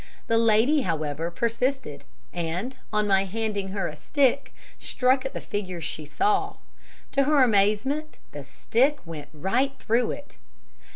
The lady, however, persisted, and, on my handing her a stick, struck at the figure she saw. To her amazement the stick went right through it.